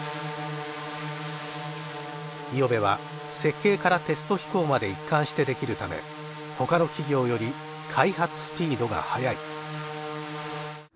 五百部は設計からテスト飛行まで一貫してできるためほかの企業より開発スピードが速い。